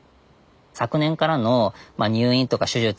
昨年からの入院とか手術